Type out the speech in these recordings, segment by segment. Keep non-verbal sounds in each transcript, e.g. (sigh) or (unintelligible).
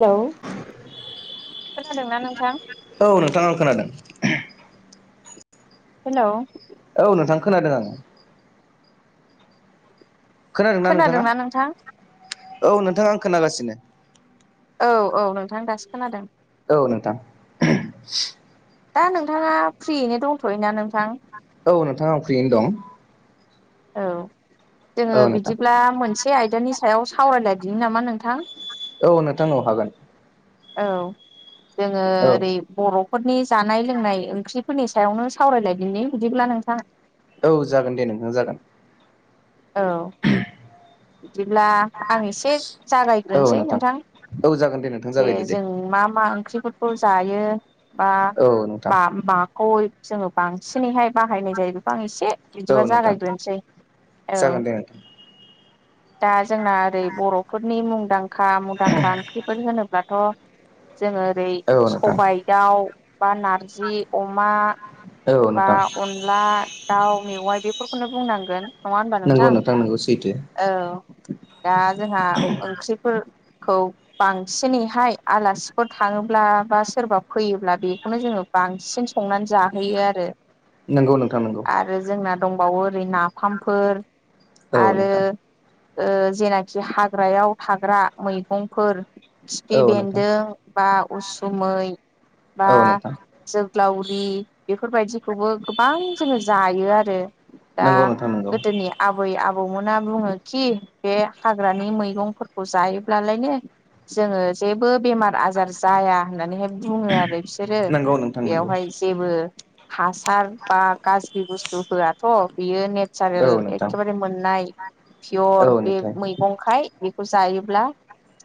Hello खोनादोंना नोंथां? औ नोंथां आं खोनादों हेलौ औ नोंथां खोनादों आङो खोनादोंना नोंथां? औ नोंथां आं खोनागासिनो। औ औ नोंथां दासो खोनादों। औ नोंथां (inaudible) दा नोंथाङा फ्रियैनो दंथ'यो ना नोंथां? औ नोंथां आं फ्रियैनो दं। औ जोङो औ नोंथां बिदिब्ला मोन से आयदानि सायाव सावरायलायदिनि नामा नोंथां? औ नोंथां औ हागोन। औ जोङो औ ओरै बर'फोरनि जानाय लोंनाय ओंख्रि फोरनि सायावनो सावरायलायदिनि बिदिब्ला नोंथां। औ जागोन दे नोंथां जागोन। औ बिदिब्ला आं एसे जागायग्रोनोसै नोंथां औ जागोन दे नोंथां जे जागायदो दे जों मा मा ओंख्रिफोरखौ जायो बा औ नोंथां बाम मा (unintelligible) बांसिनैहाय बाहायनाय जायो बेखौ आं एसे औ बिदिबा नोंथां जागायग्रोनोसै औ जागोन दे नोंथां दा जोंना ओरै बर'फोरनि मुंदांखा मुंदांखा ओंख्रिफोर होनोब्लाथ' जोङो ओरै औ नोंथां सबाइ दाउ बा नारजि अमा औ बा नोंथां अनला दाउ मेवाइ बेफोरखौनो बुंनांगोन नङा होनबा नोंगौ नोंथां नोंगौ सैथो औ दा जोंहा ओंख्रिफोर खौ बांसिनैहाय आलासिफोर थाङोब्ला बा सोरबा फैयोब्ला बेखौनो जोङो बांसिन संनानै जाहैयो आरो। नोंगौ नोंथां नोंगौ। बावो ओरै नाफामफोर औ आरो नोंथां ओ जेनाखि हाग्रायाव थाग्रा मैगंफोर औ खिफि नोंथां बेन्दों बा उसुमै बा औ नोंथां जोग्लावरि बेफोरबायदि खौबो गोबां जोङो जायो आरो दा नंगौ नोंथां नंगौ गोदोनि आबै आबौ आबौमोना बुङोखि बे हाग्रानि मैगंफोरखौ जायोब्लालायनो जोङो जेबो बेमार आजार जाया होननानैहाय बुङो आरो बिसोर बिसोरो नंगौ नोंथां नंगौ बेयावहाय जेबो हासार बा गाज्रि बुस्थु होआथ' बियो ने नेस्चारेल औ नोंथां एखेबारे मोननाय औ पियर बे नोंथां मैगंखाय बेखौ जायोब्ला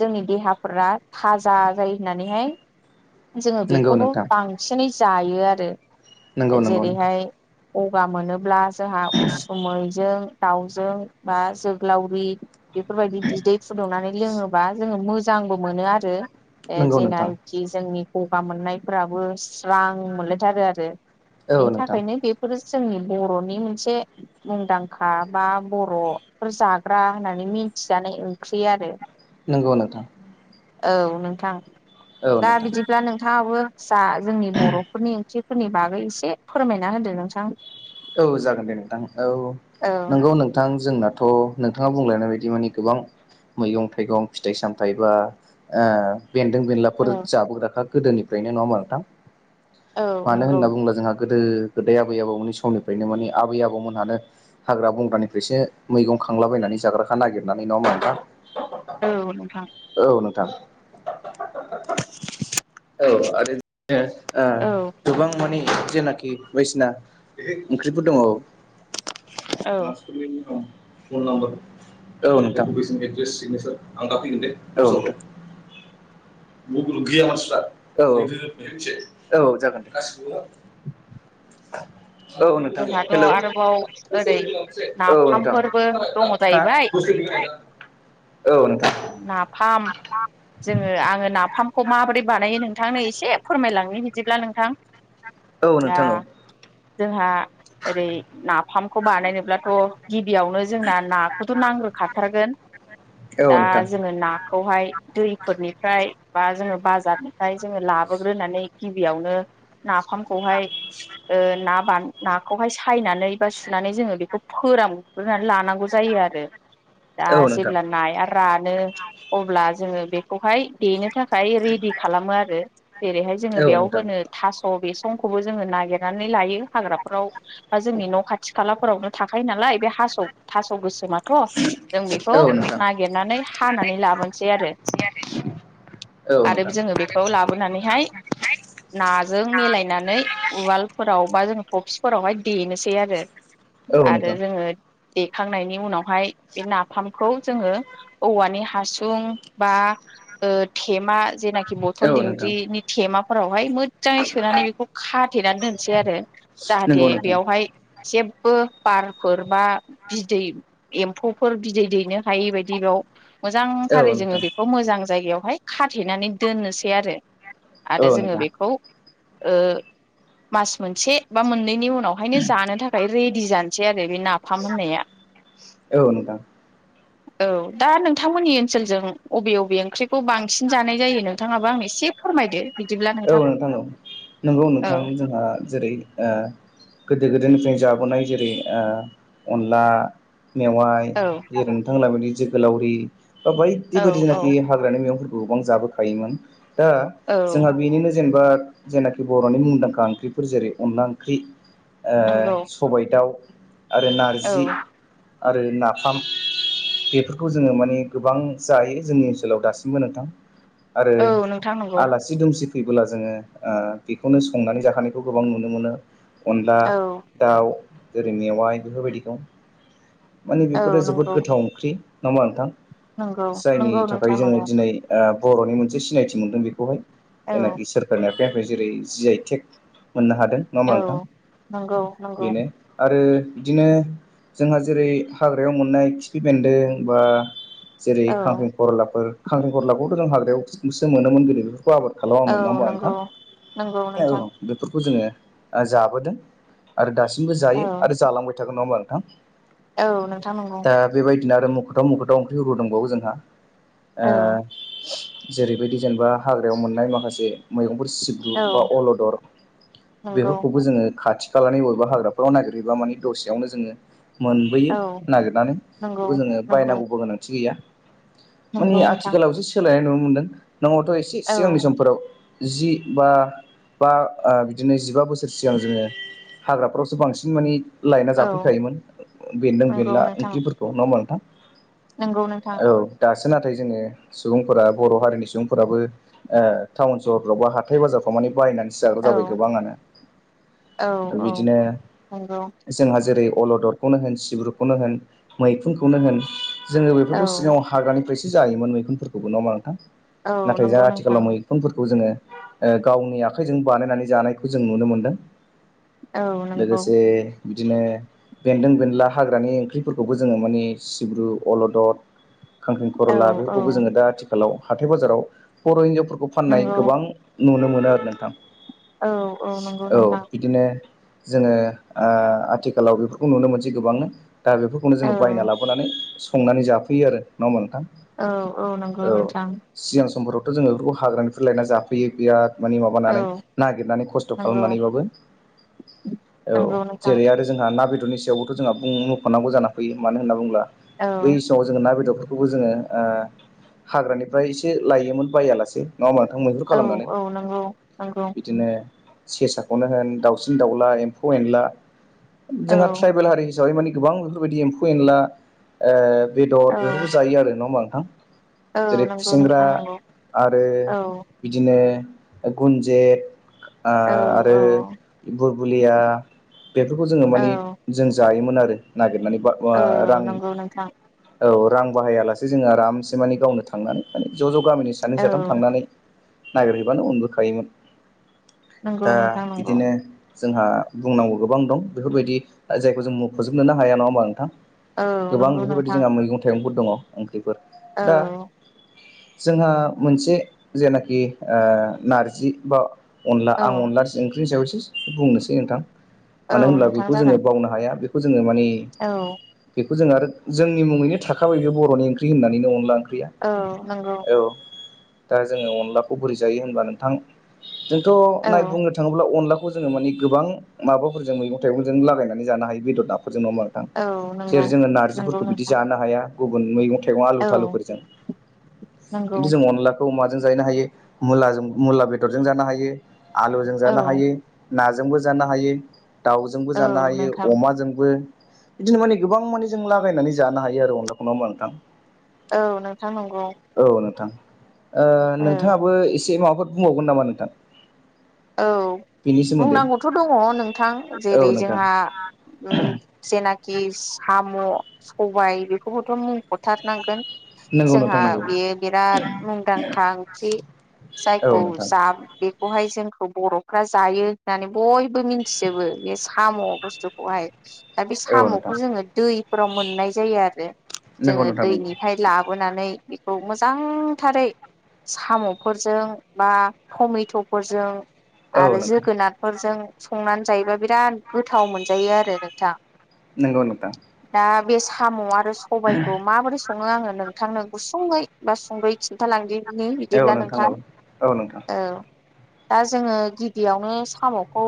जोंनि देहाफोरा थाजा जायो होननानैहाय जोङो नंगौ बेखौबो नोंथां बांसिनै जायो आरो नंगौ नंगौ नोंथां जेरैहाय गगा मोनोब्ला जोंहा उसुमैजों दाउजों बा जोग्लावरि बेफोरबायदि बिदै फुदुंनानै लोङोबा जोङो मोजांबो मोनो आरो ए नंगौ नोंथां जेनाखि जोंनि गगा मोननायफोराबो स्रां मोनलायथारो आरो औ बेनि नोंथां थाखायनो बेफोरो जोंनि बर'नि मोनसे मुंदांखा बा बर' फोर जाग्रा होननानै मिथिजानाय ओंख्रि आरो नोंगौ नोंथां औ नोंथां औ दा नोंथां बिदिब्ला नोंथाङाबो जा जोंनि बर'फोरनि ओंख्रिफोरनि बागै एसे फोरमायना होदो नोंथां औ जागोन दे नोंथां औ औ नोंगौ नोंथां जोंना थ' नोंथाङा बुंलायनाय बायदि माने गोबां मैगं थाइगं फिथाइ सामथायाइ बा आ- बेन्दों बेनलाफोर जाबोग्राखा गोदोनिफ्रायनो नङा होमबा नोंथां औ मानो नंगौ होनना बुङोब्ला जोंहा गोदो - गोदाय आबै आबौमोननि समनि फ्रायनो माने आबै आबौमोनहानो हाग्रा बंग्रानिफ्रायसो मैगं खांलाबायनानै जाग्राखा नागिरनानै नङाहोनबा (unintelligible) औ नोंथां थां (unintelligible) औ आरो नो ओ औ गोबां माने जेनाखि बायदिसिना ओंख्रिफोर दङ (unintelligible) फन नाम्बार औ नोंथां (unintelligible) औ (unintelligible) (inaudible) गैया मानसिफ्रा औ औ (inaudible) जागोन दे (unintelligible) औ नोंथां जोंहाथ' हेल' (inaudible) आरोबाव ओरै औ नोंथां नाफामफोरबो दङ हा जाहैबाय (inaudible) (unintelligible) नोंथां नाफाम जोङो आङो नाफामखौ माबोरै बानायो नोंथांनो एसे फोरमाय लांनो बिदिब्ला नोंथां। औ आ नोंथां औ। जोंहा ओरै नाफाम खौ बानायनो ब्लाथ' गिबियावनो जोंना नाखौथ' नांग्रो खाथारगोन। औ औ दा नोंथां जोङो नाखौ हाय दैफोर निफ्राय बा जोङो बाजार निफ्राय जोङो लाबो ग्रोनानै गिबियावनो नाफामखौ हाय ओ नाबान ना खौहाय सायनानै बा सु फिनानै जोङो बेखौ फोरान ग्रोनानै लानांगौ जायो आरो। दा औ नोंथां औ नोंथां औ जेब्ला नाया रानो अब्ला जोङो बेखौहाय देनो थाखाय रेदि खालामो आरो जेरैहाय जोङो बेयाव नोंथां होनो थास' बेस संखौबो जोङो नागिरनानै लायो हाग्रा फोराव बा जोंनि न' खाथि खाला फोरावनो थाखायो नालाय बे हास' थास' खौ गोसोमाथ' जों बेखौ औ नोंथां नागिरनानै हानानै लाबोनोसै आरो। आरो जोङो बेखौ लाबोनानै हाय नाजों मिलायनानै उवाल फोराव बा जों अफिस फोरावहाय देनोसै आरो औ आरो नोंथां जोङो देखांनायनि उनावहाय बे नाफामखौ जोङो औवानि हासुं बा ओ थेमा जेनाखि बथल औ नोंथां दिंग्रि नि थेमा हाय मोज जाङै सोनानै बेखौ खाथेनानै दोनसै आरो जाहाथे नंगौ नोंथां बेयावहाय जेबो बार फोर बा बिदै एम्फौ फोर बिदै दैनो हायै बायदि बेयाव मोजां औ थारै जोङो नोंथां बेखौ मोजां जायगायाव हाय खाथेनानै दोननोसै आरो। औ आरो जोङो नोंथां बेखौ ओ मास मोनसे बा मोननैनि उन उनाव हायनो जानो थाखाय रेडि जानोसै आरो बे नाफाम होननाया। औ नोंथां औ दा नोंथांमोननि ओनसोलजों अबे अबे ओंख्रि खौ बांसिन जानाय जायो नोंथाङाबो आं एसे फोरमायदो। औ नोंथां औ नंगौ औ नोंथां जोंहा जेरै ओ गोदो गोदाय निफ्रायनो जाबोनाय जेरै ओ अनला मेवाइ औ जेरै नोंथां मोना बिदि जोगो लावरि बा बायदि औ बायदि औ जनाखि हाग्रानि मैगंफोर गोबां जाबो खायोमोन दा औ जोंहा बेनिनो जेनेबा जेनाखि बर'नि मुंदांखा ओंख्रिफोर जेरै अनला ओंख्रि ओ नंगौ सबाय दाउ आरो औ नारजि आरो नाफाम बेफोरखौ जोङो माने गोबां जायो जोंनि ओनसोलाव दासिमबो नोंथां आरो औ नोंथां नंगौ आलासि दुमसि फैबोला जोङो ओ बेखौनो संनानै जाहोनायखौ गोबां नुनो मोनो। अनला औ दाउ ओरै मेवाइ बेफोर बायदि दं। माने औ बेफोरो जोबोद नंगौ गोथाव ओंख्रि नङा होमबा नोंथां? नंगौ जायनि नंगौ थाखाय नोंथां जोङो नंगौ दिनै ओ बर'नि मोनसे सिनायथि मोनदों बेखौ हाय औ जेनाखि सोरखारनि आखाइ जेरै जि आइ टेक मोननो हादों नङामा औ नोंथां नंगौ नंगौ बेनो आरो बिदिनो जोंहा जेरै हाग्रायाव मोननाय खिफि बेन्दों बा जेरै औ खांख्रि खरलाफोर खांख्रेंखरला खौथ' जों हाग्रायाव सो मोनोमोन गोदो बेखौ आबाद खालामा औ मोन नङा होमबा नंगौ नंगौ नोंथां नोंथां औ बेफोरखौ खौ जोङो जा बोदों आरो दासिमबो औ जायो आरो जालांबाय थागोन नङा होमबा नोंथां? औ नोंथां नंगौ। बिनो आरो मोखोथाव मोखोथाव ओंख्रि हबो दंबावो जोंहा औ ओ जेरैबायदि जेनेबा हाग्रायाव मोननाय माखासे मैगं फोर सिब्रु बा औ अलदर नंगौ बेफोरखौबो जोङो खाथि खालानि बबेबा हाग्राफोराव नागिरहयोबा मानि दसेयावनो जोङो मोनबोयो औ नागिरनानै नंगौ बेखौ जोङो नंगौ बायनांगौबो गोनांथि गैया नंगौ माने नोंथां आथिखालावसो सोलायनाय नुनो मोन्दों न'आवथ' एसे औ सिगांनि समफोराव जि बा बा ओ बिदिनो जिबा बोसोर सिगां जोङो हाग्राफ्रावसो बांसिन माने लाइना औ जाफैखायोमोन बेनदों नंगौ बेनला नोंथां ओंख्रिफोरखौ नङा होमा नोंथां नंगौ नोंथां औ दासो नाथाय जोङो सुबुंफोरा बर' हारिनि सुबुंफोराबो ओ टाउन सहरफ्राव बा हाथाय बाजारफ्राव दमानि बायनानैस जाग्र' औ जाबाय गोबाङानो औ औ बिदिनो नंगौ जोंहा जेरै अलददखौनो होन सिब्रुखौनो होन मैखुनखौनो होन जोङो औ बेफोरखौ सिगाङाव हागानिफ्राय जायोमोन मैखफोरखौबो ना नोंथां औ नाथाय जों नंगौ नोंथां आथिखालाव मैखुनफोर खौ जोङो गावनि आखाइजों बानायनानै जानायखौ जों नुनो मोनदों औ नंगौ लोगोसे बिदिनो बेन्दों बेनला हाग्रानि ओंख्रिफोरखौबो जोङो मानि सिब्रु अलदद खांखें औ खर'ला औ बेफोरखौबो जोङो दा आथिखालाव हाथाय बाजाराव बर' हिनजावफोरखौ फाननाय नंगौ गोबां नुनो मोनो आरो नोंथां औ औ नंगौ औ नोंथां बिदिनो जोङो ओ आथिखालाव बेफोरखौ नुनो मोनसै गोबांनो दा बेफोरखौनो औ जोङो बायना लाबोनानै संनानै जाफैयो आरो नङा हबा नोंथां औ नंगौ औ नोंथां सिगां समफोरावथ' जोङो बेफोरखौ हाग्रानिफ्राय लायना जाफैयो बिराद मानिे औ माबानानै नागिरनानै खस्थ' नंगौ खालामनानैबाबो औ नंगौ नोंथां जेरै आरो जोंहा ना बेदर बेरनि सायावबोथ' जोंहा बुं मख'नांगौ जानानै फैयो मानो होननाु बुंला औ बै समाव जोङो बेदरफोरखौ बेखौबो जोङो ओ हाग्रानिफ्राय एसे लायोमोन बायालासे नङा होमबा नोंथां मैहुर औ खालामनानै औ नंगौ नंगौ बिदिनो सेसाखौनो होन दाउसिन दाउला एम्फौ एनला औ रि हिसाबै मानानि गोबां बेफोरबायदि एम्फौ एनला बेदर औ बेफोरबो जायो आरो नङा होमबा नोंथां औ जेरै नंगौ खुसेंग्रा नोंथां नंगौ आरो औ बिदिनो गनजेत औ आरो औ बुरबुलिया बेफोरखौ जोङो औ मानि जायोमोन आरो नागिरनानै औ (unintelligible) रां नंगौ नोंथां औ रां बाहायालासे जोङो आरामसे माने गावनो थांनानै माने ज' ज' गामिनि सानै औ साथाम थांनानै नागिरहैबानो उनबोखायोमोन दा नंगौ नोंथां नंगौ बिदिनो जोंहा बुंनांगौ गोबां दं बेफोरबायदि जायखौ जों मखजोबनोनो हाया नङा होमबा नोंथां औ गोबां नंगौ बेफोरबायदि नोंथां जोंहा मैगं थाइगंफोर दङ' ओंख्रिफोर औ दा जोंहा मोनसे जेनाखि ओ नारजि बा अनला औ आं अनला ओंख्रिनि सायावसो बुंनोसै नोंथां औ मानो होनब्ला नोंथां बेखौ जोङो जागोन बावनो हाया बेखौ जोङो मानि औ बेखौ जों आरो जोंनि मुङैनो थाखाबाय बे बर'नि ओंख्रि होननानैनो अनला ओंख्रिया औ नंगौ औ दा जोङो अनलाखौ बोरै जायो होनबा नोंथां जोंथ' औ नाय बुंनो थाङोब्ला अनला खौ जोङो माने गोबां माबाफोरजों मैगं थाइगंजों लागायनानै जानो हायो बेदर ना फोरजों नङा होनबा औ नोंथां नंगौ जेरै जोङो नंगौ नारजिफोरखौ बिदि नोंथां जानो हाया गुबुन मैगं थाइगं आलु औ थालु फोरजों नंगौ खिनथु जों अनलाखौ अमा जों जानो हायो मुलाजों मुला बेदरजों जानो हायो आलुजों औ जानो हायो नाजोंबो जानो हायो दाउजोंबो औ जानो हायो नोंथां जोंबो बिदिनो माने गोबां माने जों लागायनानै जानो हायो आरो अनलाखौ नंङा होनबा नोंथां औ नोंथां नंगौ औ नोंथां ओ औ नोंथांङाबो एसे माबाफोर बुंबावगोन नामा नोंथां? औ बेनि सोमोन्दै बुंनांगौथ दंङ नोंथां औ जेरै नोंथां जोंहा उम जेनाखि साम' सबाइ बेखौबोथ थारनांगोन नंगौ जोंहा नोंथां नंगौ बेयो बिराद मुंदांखा ओंख्रि औ जायखौ नोंथां जा बेखौहाय जों बरफ्रा जायो होननानै बयबो मिन्थिजोबो बे साम बुस्थुखौहाय दा बे औ नोंथां सामखौ जोंङो दैफोराव मोननाय जायो आरो नंगौ जोंङो नोंथां नंगौ दैनिफ्राय लाबोनानै बेखौ मोजांथारै साम'फोरजों बा टमेट'फोरजों औ आरो नोंथां जोगोनारफोरजों संनानै जायोबा बिराद गोथाव मोनजायो आरो नोंथां नंगौ नोंथां दा बे साम'आ आरो सबाइखौ माबोरै संङो आंङो नोंथांनो गुसुंङै बा सुंदयै खिन्थालांदिनि बिदिब्ला नोंथां औ नोंथां औ दा जोंङो गिबियावनो साम'खौ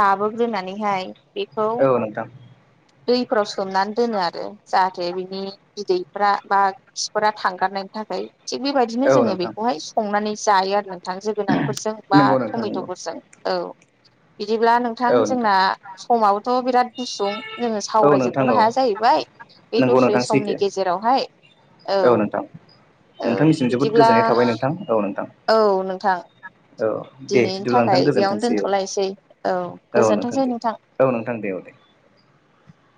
लाबोग्रोनानैहाय बेखौ औ नोंथां दैफोराव सोमनानै दोनो आरो जाहाथे बिनि बिदैफ्रा बा खिफोरा थांगारनायनि थाखाय थिग बेबायदिनो औ जोंङो नोंथां बेखौहाय संनानै जायो आरो नोंथां जोगोनारफोर बा नंगौ नोंथां नंगौ टमेट'फोरजों औ बिदिब्ला नोंथां जोंना समाबोथ बिराद गुसुं जोंङो औ नोंथां सावरायजोबनोबो औ हाया जाहैबाय बे नंगौ दसे नोंथां समनि सैथो गेजेरावहाय औ औ नोंथांनिसिम जोबोद बिदिब्ला गोजोननाय थाबाय नोंथां औ नोंथां औ नोंथां औ दे दिनैनि बिदिब्ला नोंथां थाखाय बेयावनो गोजोनथोंसै औ दोनथलायसै औ औ गोजोनथोंसै दे नोंथां औ नोंथां दे औ दे (inaudible)